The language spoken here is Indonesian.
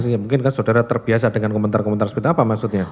sehingga mungkin kan saudara terbiasa dengan komentar komentar seperti apa maksudnya